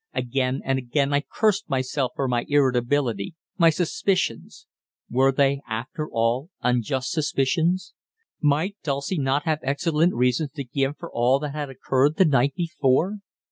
Again and again I cursed myself for my irritability, my suspicions. Were they, after all, unjust suspicions? Might Dulcie not have excellent reasons to give for all that had occurred the night before?